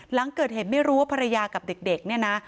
หลังเกิดเหตุไม่รู้ว่าภรรยากับเด็กเนี่ยนะ